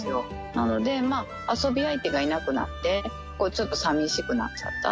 なので、まあ遊び相手がいなくなって、ちょっとさみしくなっちゃった。